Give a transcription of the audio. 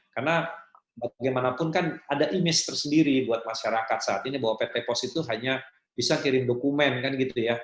karena bagaimanapun kan ada image tersendiri buat masyarakat saat ini bahwa pt pos itu hanya bisa kirim dokumen kan gitu ya